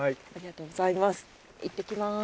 いってきます。